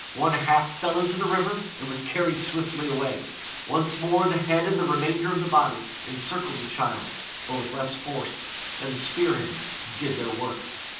One half fell into the river, and was carried swiftly away. Once more the head and the remainder of the body encircled the Childe, but with less force, and the spear heads did their work.